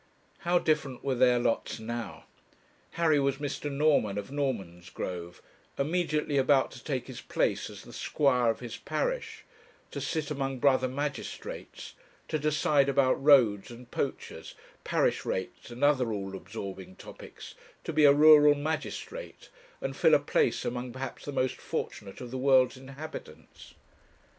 How different were their lots now! Harry was Mr. Norman of Normansgrove, immediately about to take his place as the squire of his parish, to sit among brother magistrates, to decide about roads and poachers, parish rates and other all absorbing topics, to be a rural magistrate, and fill a place among perhaps the most fortunate of the world's inhabitants.